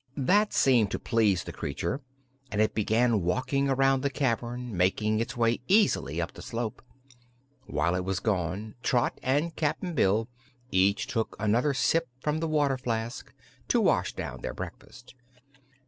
That seemed to please the creature and it began walking around the cavern, making its way easily up the slope. While it was gone, Trot and Cap'n Bill each took another sip from the water flask, to wash down their breakfast.